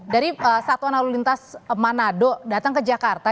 dari satuan lalu lintas manado datang ke jakarta